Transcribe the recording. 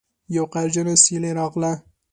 یوه قهرجنه سیلۍ راغله